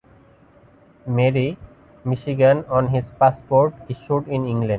Marie, Michigan on his passport issued in England.